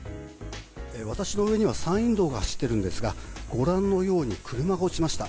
私の上には山陰道が走っているんですがご覧のように車が落ちました。